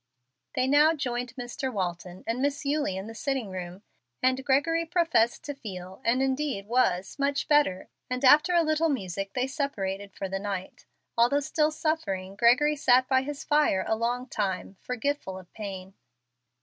They now joined Mr. Walton and Miss Eulie in the sitting room, and Gregory professed to feel, and indeed was, much better, and after a little music they separated for the night. Although still suffering, Gregory sat by his fire a long time, forgetful of pain.